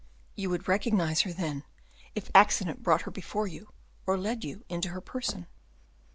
"You would recognize her, then, if accident brought her before you, or led you into her person?"